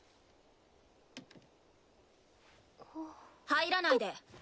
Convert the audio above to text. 入らないで。